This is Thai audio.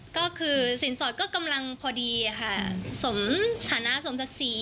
ก็คือสินสอดก็กำลังพอดีค่ะสมฐานะสมศักดิ์ศรี